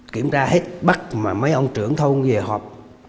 chúng ta hết bắt mấy ông trưởng thông về họp